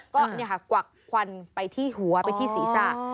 ก็กวักควันไปที่หัวไปที่ศีรษะ